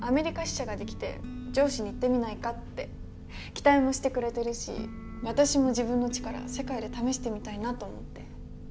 期待もしてくれてるし私も自分の力世界で試してみたいなと思って。